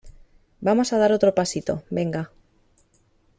vamos a dar otro pasito, venga.